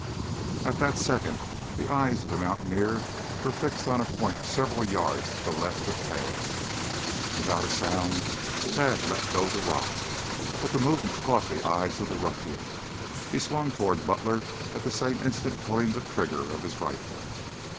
At that second the eyes of the mountaineer were fixed on a point several yards to the left of Tad. Without a sound Tad let go the rock. But the movement caught the eyes of the ruffian. He swung toward Butler at the same instant pulling the trigger of his rifle.